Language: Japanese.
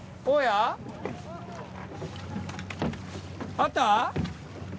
あった？